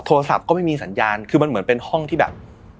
โทรศัพท์ก็ไม่มีสัญญาณคือมันเหมือนเป็นห้องที่แบบ